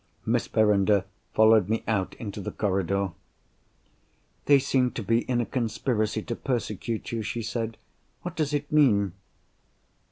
Miss Verinder followed me out into the corridor. "They seem to be in a conspiracy to persecute you," she said. "What does it mean?"